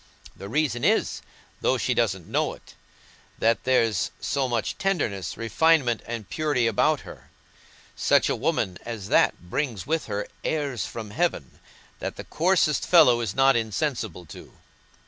The reason is—though she doesn't know it—that there's so much tenderness, refinement, and purity about her. Such a woman as that brings with her 'airs from heaven' that the coarsest fellow is not insensible to."